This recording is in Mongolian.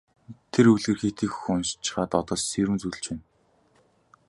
Тэр үлгэр хэт их уншчихаад одоо сэрүүн зүүдэлж байна.